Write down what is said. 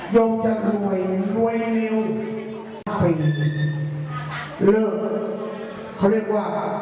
โยงจะหน่วยหน่วยริวพี่เลิกเขาเรียกว่า